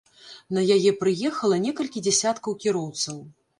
На яе прыехала некалькі дзясяткаў кіроўцаў.